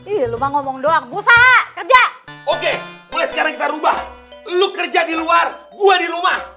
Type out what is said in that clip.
iya lu mah ngomong doang berusaha kerja oke mulai sekarang kita rubah lu kerja di luar gua di rumah